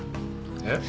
えっ？